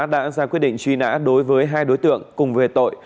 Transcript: đã ra quyết định truy nã đối với hai đối tượng cùng về tội